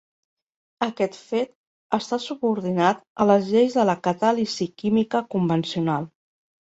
Aquest fet està subordinat a les lleis de la catàlisi química convencional.